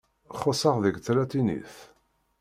Xuṣṣeɣ deg tlatinit.